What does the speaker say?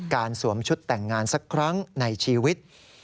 สวมชุดแต่งงานสักครั้งในชีวิต